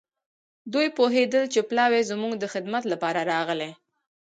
دوی پوهېدل چې پلاوی زموږ د خدمت لپاره راغلی.